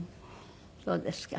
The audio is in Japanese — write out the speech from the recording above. そうですか。